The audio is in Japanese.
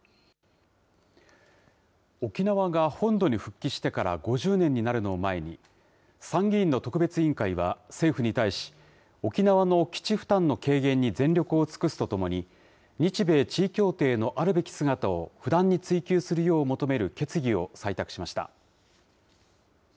沖縄が本土に復帰してから５０年になるのを前に、参議院の特別委員会は政府に対し、沖縄の基地負担の軽減に全力を尽くすとともに、日米地位協定のあるべき姿を、不断に追求するよう求める決議を採択しました。